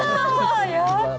やった！